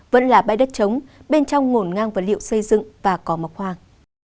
vẫn là bãi đất trống bên trong ngổn ngang vật liệu xây dựng và có mộc hoàng